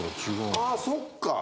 あっそっか！